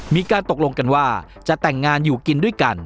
มีการตกลงกันว่าจะแต่งงานอยู่กินด้วยกัน